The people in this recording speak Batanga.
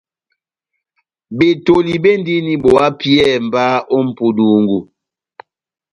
Betoli bendini bo hapiyɛhɛ mba ó mʼpudungu.